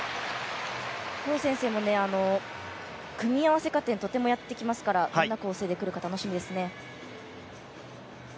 唐茜靖も、組み合わせ加点とてもやってきますからどんな構成でくるか楽しみですね。